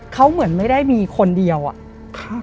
เขาเหมือนไม่ได้มีคนเดียวอะ